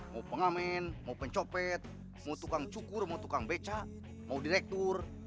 mau pengamen mau pencopet mau tukang cukur mau tukang becak mau direktur